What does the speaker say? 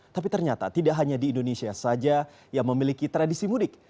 tapi ternyata tidak hanya di indonesia saja yang memiliki tradisi mudik